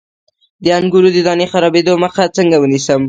د انګورو د دانې د خرابیدو مخه څنګه ونیسم؟